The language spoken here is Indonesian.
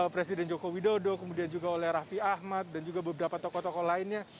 presiden joko widodo kemudian juga oleh raffi ahmad dan juga beberapa tokoh tokoh lainnya